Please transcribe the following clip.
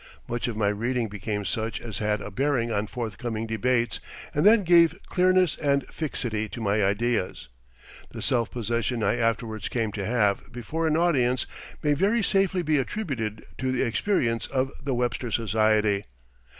Much of my reading became such as had a bearing on forthcoming debates and that gave clearness and fixity to my ideas. The self possession I afterwards came to have before an audience may very safely be attributed to the experience of the "Webster Society."